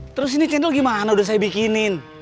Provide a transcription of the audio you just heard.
terus ini cendol gimana udah saya bikinin